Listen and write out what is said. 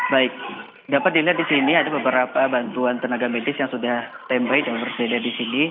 baik dapat dilihat disini ada beberapa bantuan tenaga medis yang sudah tembri dan bersedia disini